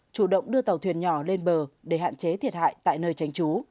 chủ động đưa tàu thuyền nhỏ lên bờ để hạn chế thiệt hại tại nơi tránh trú